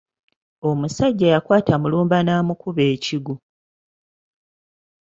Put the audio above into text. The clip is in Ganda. Omusajja yakwata Mulumba n’amukuba ekigwo.